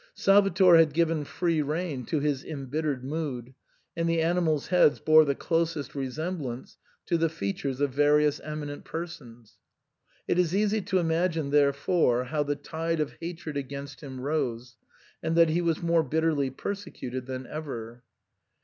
Salvator had given free rein to his em bittered mood, and the animals' heads bore the closest resemblance to the features of various eminent per sons. It is easy to imagine, therefore, how the tide of hatred against him rose, and that he was more bitterly persecuted than ever.